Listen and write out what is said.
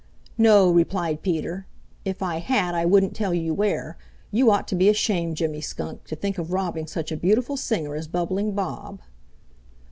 "No," replied Peter. "If I had I wouldn't tell you where. You ought to be ashamed, Jimmy Skunk, to think of robbing such a beautiful singer as Bubbling Bob."